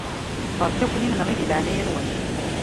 Beṛka-ken imenɣi di leɛnaya-nwen.